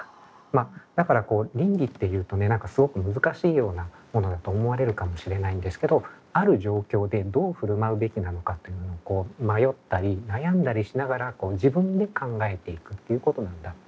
まあだから倫理っていうとね何かすごく難しいようなものだと思われるかもしれないんですけどある状況でどう振る舞うべきなのかっていうものを迷ったり悩んだりしながら自分で考えていくということなんだろう。